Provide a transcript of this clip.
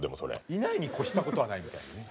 いないに越した事はないみたいなね。